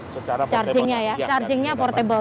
secara portable chargingnya ya chargingnya portable